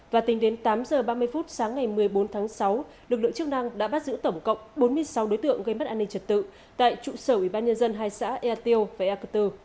và tính đến tám h ba mươi sáng ngày một mươi bốn tháng sáu lực lượng chức năng đã bắt giữ tổng cộng bốn mươi sáu đối tượng gây mất an ninh trật tự tại trụ sở ubnd hai xã ea tiêu và ea cơ tơ